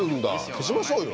消しましょうよ？